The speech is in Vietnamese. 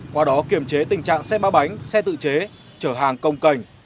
qua đó kiềm chế tình trạng xe ba bánh xe tự chế chở hàng công cành